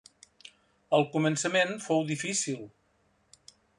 El començament fou difícil.